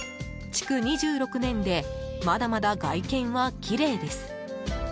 築２６年でまだまだ外見はきれいです。